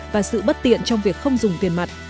và sự bất tiện trong việc khai trương máy